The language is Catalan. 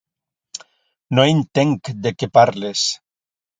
No entenc de què parles.